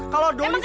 kalau doni sampai